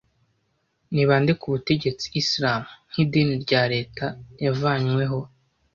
Ni bande ku butegetsi Islamu, nk'idini rya Leta, yavanyweho